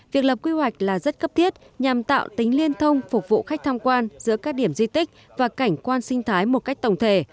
việc lập quy hoạch là rất cấp thiết nhằm tạo tính liên thông phục vụ khách tham quan giữa các điểm di tích và cảnh quan sinh thái một cách tổng thể